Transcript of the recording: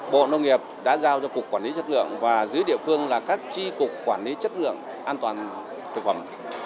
bộ nông nghiệp đã giao cho cục quản lý chất lượng và dưới địa phương là các tri cục quản lý chất lượng an toàn thực phẩm